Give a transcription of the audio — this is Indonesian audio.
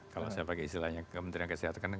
kalau saya pakai istilahnya kementerian kesehatan